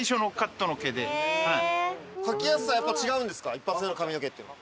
一発目の髪の毛っていうのは。